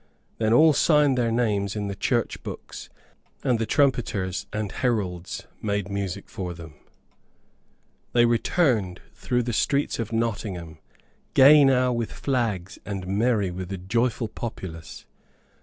Then all signed their names in the church books, and the trumpeters and heralds made music for them. They returned through the streets of Nottingham, gay now with flags and merry with a joyful populace.